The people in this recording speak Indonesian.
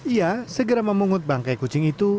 ia segera memungut bangkai kucing itu